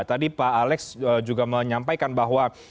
tadi pak alex juga menyampaikan bahwa